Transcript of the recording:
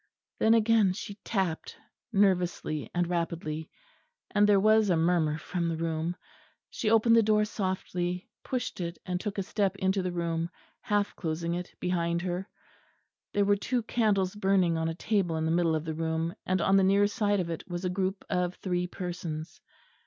Then again she tapped, nervously and rapidly, and there was a murmur from the room; she opened the door softly, pushed it, and took a step into the room, half closing it behind her. There were two candles burning on a table in the middle of the room, and on the near side of it was a group of three persons....